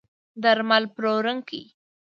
درمل پلورونکي